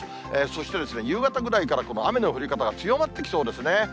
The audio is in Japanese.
そして夕方ぐらいから、この雨の降り方が強まってきそうですね。